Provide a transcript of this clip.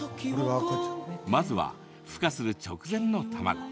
まずは、ふ化する直前の卵。